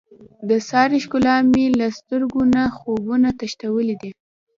د سارې ښکلا مې له سترګو نه خوبونه تښتولي دي.